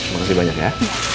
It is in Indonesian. makasih banyak ya